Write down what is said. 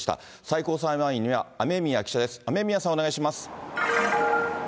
最高裁前には雨宮記者です、雨宮さん、お願いします。